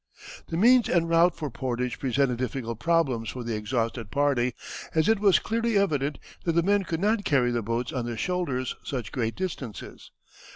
The means and route for portage presented difficult problems for the exhausted party, as it was clearly evident that the men could not carry the boats on their shoulders such great distances.